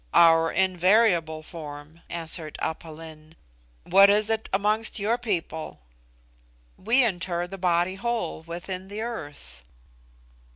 "Our invariable form," answered Aph Lin. "What is it amongst your people?" "We inter the body whole within the earth."